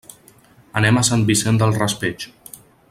Anem a Sant Vicent del Raspeig.